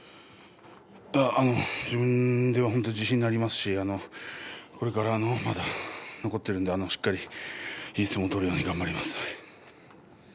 自分の自信になりますしこれからまだ残っているのでしっかり、いい相撲を取るように頑張ります。